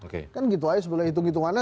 kan gitu aja sebenarnya hitung hitungannya